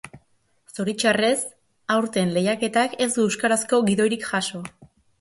Zoritxarrez, aurten lehiaketak ez du euskarazko gidoirik jaso.